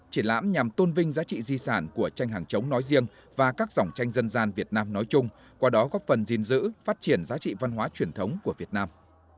triển lãm nhằm tôn vinh giá trị di sản của tranh hàng chống nói riêng và các dòng tranh dân gian việt nam nói chung qua đó góp phần gìn giữ phát triển giá trị văn hóa truyền thống của việt nam